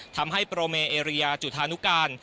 ทำให้โปรเมเอเรียจุธานุการ